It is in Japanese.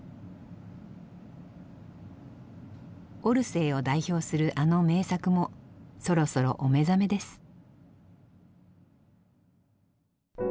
オルセーを代表するあの名作もそろそろお目覚めです。